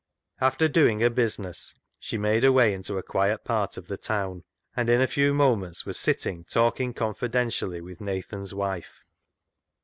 After doing her business, she made her way into a quiet part of the town, and in a few moments was sitting talking confidentially with Nathan's wife.